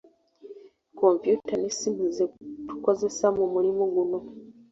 Kompyuta n'essimu ze tukozesa mu mulimu guno.